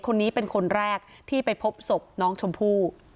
คนนี้เป็นคนแรกที่ไปพบศพน้องชมพู่